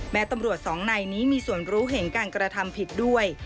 ตำรวจสองนายนี้มีส่วนรู้เห็นการกระทำผิดด้วย